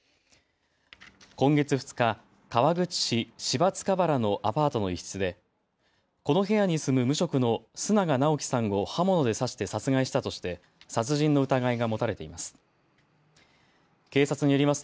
今月２日、川口市芝塚原のアパートの一室でこの部屋に住む無職の須永尚樹さんを刃物で刺して殺害したとして殺人の疑いが持たれています。